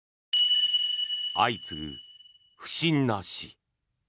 相次ぐ不審な死。